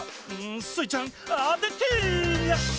スイちゃんあててニャ！